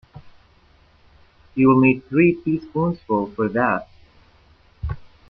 You'll need three teaspoonsful for that.